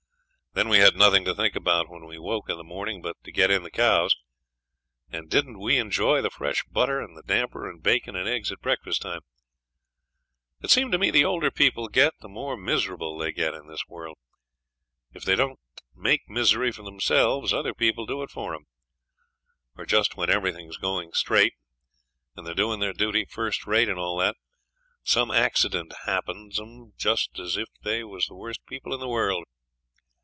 Then we had nothing to think about when we woke in the morning but to get in the cows; and didn't we enjoy the fresh butter and the damper and bacon and eggs at breakfast time! It seems to me the older people get the more miserable they get in this world. If they don't make misery for themselves other people do it for 'em; or just when everything's going straight, and they're doing their duty first rate and all that, some accident happens 'em just as if they was the worst people in the world.